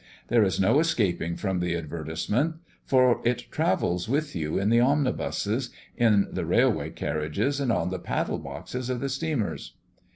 There is no escaping from the advertisement, for it travels with you in the omnibuses, in the railway carriages, and on the paddle boxes of the steamers.